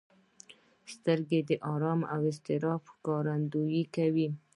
سترګې د ارام او اضطراب ښکارندويي کوي